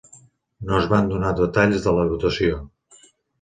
No es van donar detalls de la votació.